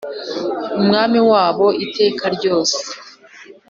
umwami wabo iteka ryose